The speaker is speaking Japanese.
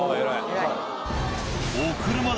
偉い。